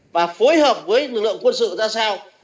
và phối hợp với lực lượng quân sự ra sao